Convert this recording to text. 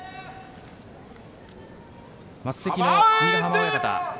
升席の君ヶ濱親方。